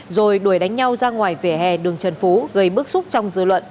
rồi đuổi đánh nhau ra ngoài vỉa hè đường trần phú gây bức xúc trong dư luận